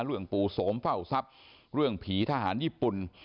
ปู่โสมเฝ้าทรัพย์เรื่องผีทหารญี่ปุ่น